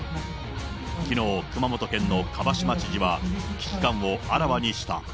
きのう、熊本県の蒲島知事は危機感をあらわにした。